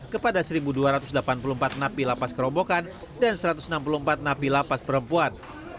kepada satu dua ratus delapan puluh empat napi lapas kerobokan dan satu ratus enam puluh empat napi lapas perempuan